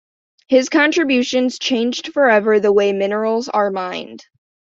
His contributions changed forever the way minerals are mined.